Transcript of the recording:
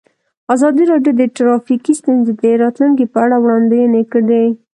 ازادي راډیو د ټرافیکي ستونزې د راتلونکې په اړه وړاندوینې کړې.